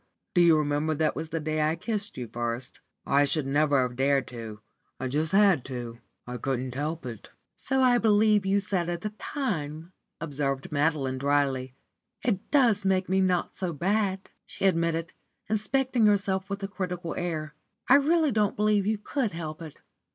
Do you remember that was the day I kissed you first? I should never have dared to. I just had to I couldn't help it." "So I believe you said at the time," observed Madeline, dryly. "It does make me not so bad," she admitted, inspecting herself with a critical air. "I really don't believe you could help it.